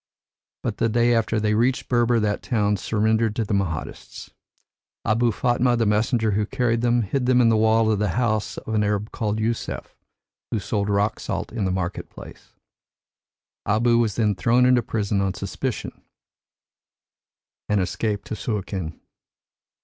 But the day after they reached Berber, that town surrendered to the Mahdists. Abou Fatma, the messenger who carried them, hid them in the wall of the house of an Arab called Yusef, who sold rock salt in the market place. Abou was then thrown into prison on suspicion, and escaped to Suakin.